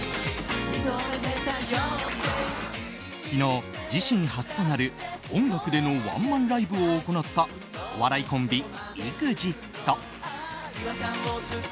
昨日、自身初となる音楽でのワンマンライブを行ったお笑いコンビＥＸＩＴ。